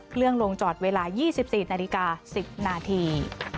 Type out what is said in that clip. ลงจอดเวลา๒๔นาฬิกา๑๐นาที